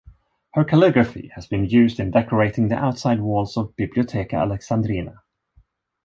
Her calligraphy has been used in decorating the outside walls of Bibliotheca Alexandrina.